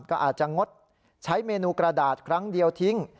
ก็อาจจะงดใช้เมนูกระดาษครั้งเดียวทิ้ง